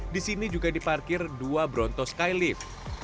di sini juga diparkir dua bronto skylift